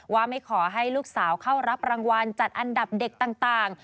ว่าไม่ขอให้ลูกสาวเข้ารับรางวัลจัดอันดับเด็กต่าง